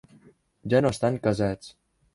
Ja no estan casats.